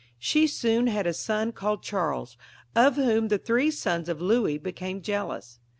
She soon had a son called Charles, of whom the three sons of Louis became jealous.